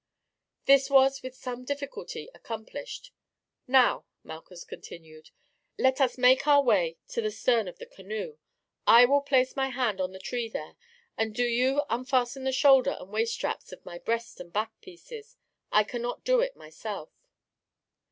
This was with some difficulty accomplished. "Now," Malchus continued, "let us make our way to the stern of the canoe. I will place my hand on the tree there, and do you unfasten the shoulder and waist straps of my breast and backpieces. I cannot do it myself."